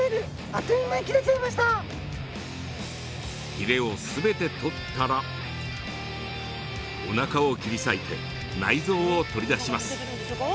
ヒレをすべて取ったらおなかを切り裂いて内蔵を取り出します。